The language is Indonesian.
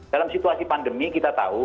dalam situasi pandemi kita tahu